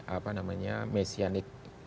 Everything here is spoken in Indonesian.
apa namanya mesianik